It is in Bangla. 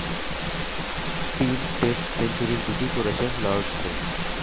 তিন টেস্ট সেঞ্চুরির দুটিই করেছেন লর্ডসে।